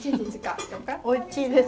おいちいです。